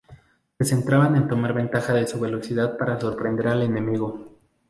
Se centraban en tomar ventaja de su velocidad para sorprender al enemigo.